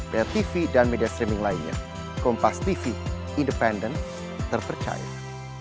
namun untuk putusannya tetap kita menyerahkan kepada majelis persidangan